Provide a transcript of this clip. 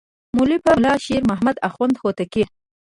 مؤلفه ملا شیر محمد اخوند هوتکی.